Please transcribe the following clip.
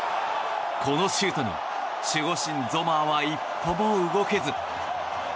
このシュートに守護神ゾマーは一歩も動けず。